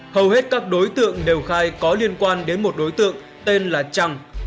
hầu hết các đối tượng đều khai có liên quan đến một đối tượng tên là trăng